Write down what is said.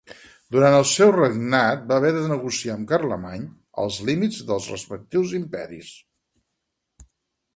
Durant el seu regnat va haver de negociar amb Carlemany els límits dels respectius imperis.